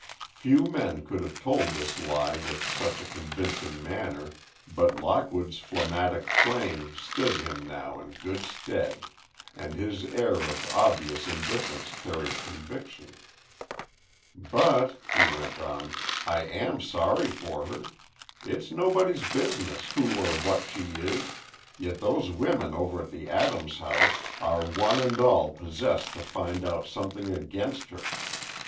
Few men could have told this lie with such a convincing manner but Lockwood's phlegmatic calm stood him now in good stead, and his air of obvious indifference carried conviction. "But," he went on, "I am sorry for her. It's nobody's business who or what she is, yet those women over at the Adams house are one and all possessed to find out something against her.